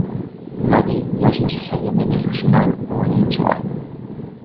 L'odi no és necessàriament irracional o inusual.